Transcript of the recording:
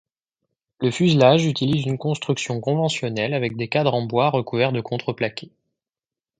Le fuselage utilise une construction conventionnelle avec des cadres en bois recouverts de contreplaqué.